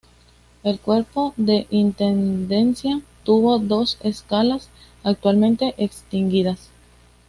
El Cuerpo de Intendencia tuvo dos escalas actualmente extinguidas.